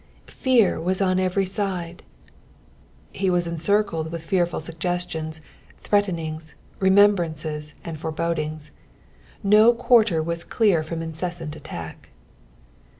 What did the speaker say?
" Fear teat on ecery ttde.''' Ho was encircled with fearful suggestions, threatenings, remem brances, and forebodings ; no quarter was clear from inceBsant attack.